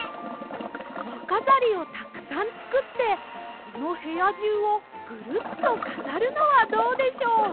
わかざりをたくさんつくってこのへやじゅうをグルッとかざるのはどうでしょう？